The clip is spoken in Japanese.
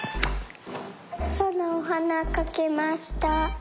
さなおはなかきました。